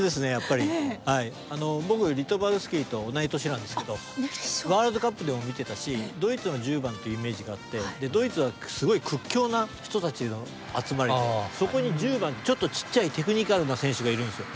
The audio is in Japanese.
僕リトバルスキーと同じ年なんですけどワールドカップでも見てたしドイツの１０番っていうイメージがあってドイツはすごい屈強な人たちの集まりでそこに１０番ってちょっとちっちゃいテクニカルな選手がいるんですよ。